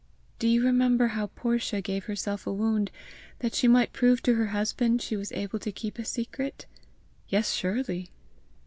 "Do you remember how Portia gave herself a wound, that she might prove to her husband she was able to keep a secret?" "Yes, surely!"